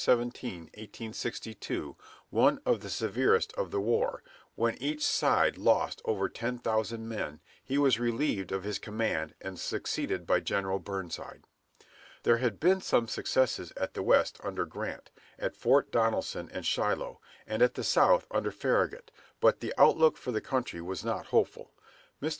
17, 1862, one of the severest of the war, when each side lost over ten thousand men, he was relieved of his command, and succeeded by General Burnside. There had been some successes at the West under Grant, at Fort Donelson and Shiloh, and at the South under Farragut, but the outlook for the country was not hopeful. Mr.